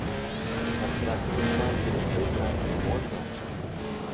А с раковым панцирем поиграться можно?